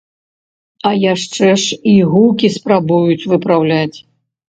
А яшчэ ж і гукі спрабуюць выпраўляць!